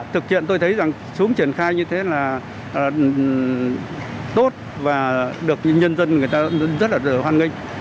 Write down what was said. thực hiện tôi thấy xuống triển khai như thế là tốt và được nhân dân rất hoan nghịch